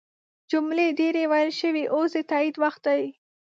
جملې ډیرې ویل شوي اوس د تایید وخت دی.